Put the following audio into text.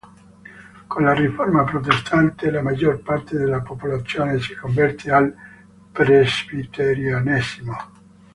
Con la riforma protestante la maggior parte della popolazione si converte al presbiterianesimo.